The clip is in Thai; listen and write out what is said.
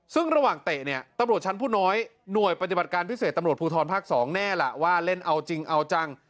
ซึ่งระหว่างเตะเนี่ยตำรวจชั้นผู้น้อยหน่วยปฏิบัติการพิเศษตำรวจภูทรภาค๒แน่ล่ะว่าเล่นเอาจริงเอาจัง